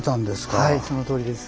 はいそのとおりです。